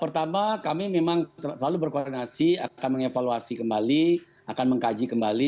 pertama kami memang selalu berkoordinasi akan mengevaluasi kembali akan mengkaji kembali